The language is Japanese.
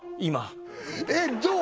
えっどう？